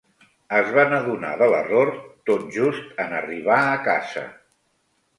Es van adonar de l'error tot just en arribar a casa.